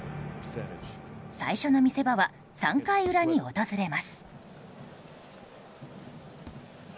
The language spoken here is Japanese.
最初の見せ場は３回裏に訪れます。